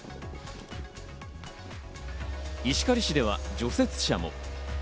石狩市では除雪車も。